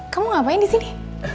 kamu ngapain disini